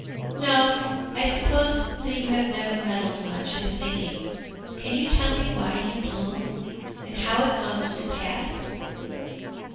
"No, I suppose that you have never meddled much with thinking! Can you tell me why you blossom? And how it comes to pass?